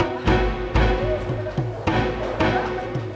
kamar minds nya alih dong